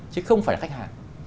chứ không phải là khách hàng